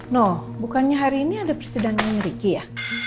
noh bukannya hari ini ada persidangan riki ya